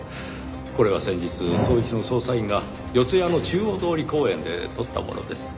これは先日捜一の捜査員が四谷の中央通り公園で撮ったものです。